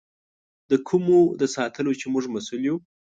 د کومو د ساتلو چې موږ مسؤل یو.